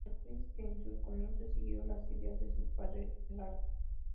Actriz que en sus comienzos siguió los ideales de su padre, el arte.